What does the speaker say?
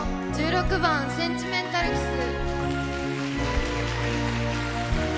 １６番「センチメンタル・キス」。